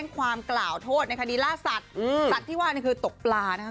ความกล่าวโทษในคดีล่าสัตว์สัตว์ที่ว่านี่คือตกปลานะครับ